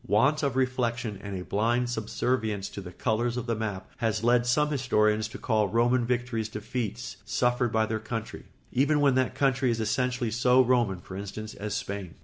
Want of reflection and a blind subservience to the colours of the map has led some historians to call Roman victories defeats suffered by their country, even when that country is essentially so Roman, for instance, as Spain.